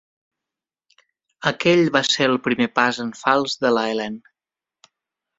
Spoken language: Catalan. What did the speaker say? Aquell va ser el primer pas en fals de la Helene.